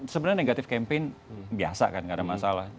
sebenarnya negatif campaign biasa kan nggak ada masalah